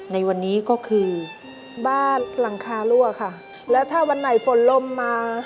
ในวันนี้ก็คือบ้านหลังคารั่วค่ะแล้วถ้าวันไหนฝนลมมา